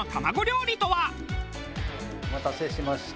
お待たせしました。